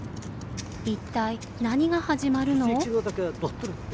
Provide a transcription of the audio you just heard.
一体何が始まるの？